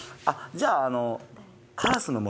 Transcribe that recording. あっじゃああの。